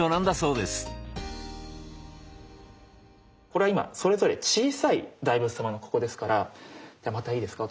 これは今それぞれ小さい大仏様のここですからまたいいですか？